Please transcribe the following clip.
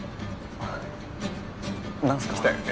何すか来たよね？